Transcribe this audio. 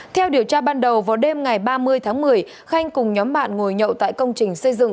theo điều tra ban đầu vào đêm ngày ba mươi tháng một mươi khanh cùng nhóm bạn ngồi nhậu tại công trình xây dựng